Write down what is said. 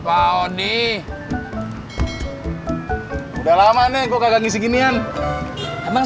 ini toperannya bang